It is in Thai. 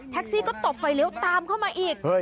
ซี่ก็ตบไฟเลี้ยวตามเข้ามาอีก